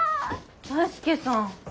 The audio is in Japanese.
大輔さん。